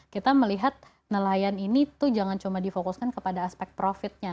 kita melihat nelayan ini tuh jangan cuma difokuskan kepada aspek profitnya